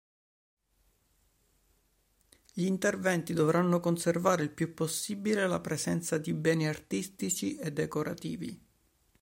Gli interventi dovranno conservare il può possibile la presenza di beni artistici e decorativi.